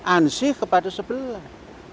ansih kepada sebelah